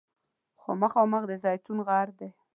خو مخامخ د زیتون غر دی.